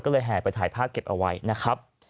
ก็เลยแห่ไปถ่ายภาพเก็บเอาไว้นะครับ